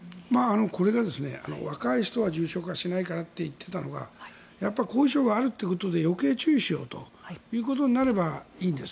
これが若い人は重症化しないと言っていたのがやっぱり後遺症はあるということで余計注意しようということになればいいんです。